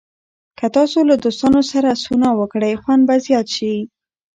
که تاسو له دوستانو سره سونا وکړئ، خوند به زیات شي.